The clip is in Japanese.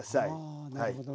あなるほどね。